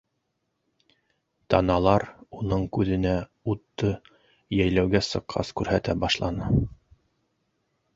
Таналар уның күҙенә утты йәйләүгә сыҡҡас күрһәтә башланы!